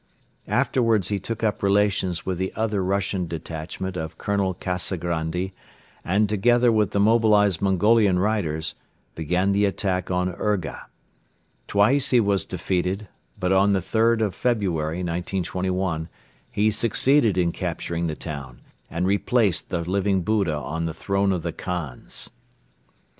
Afterwards he took up relations with the other Russian detachment of Colonel Kazagrandi and, together with the mobilized Mongolian riders, began the attack on Urga. Twice he was defeated but on the third of February, 1921, he succeeded in capturing the town and replaced the Living Buddha on the throne of the Khans.